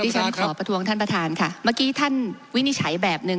ฉันขอประท้วงท่านประธานค่ะเมื่อกี้ท่านวินิจฉัยแบบหนึ่ง